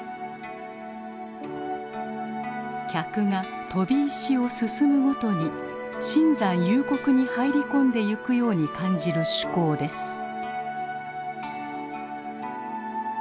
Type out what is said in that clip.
客が飛び石を進むごとに深山幽谷に入り込んでゆくように感じる趣向です。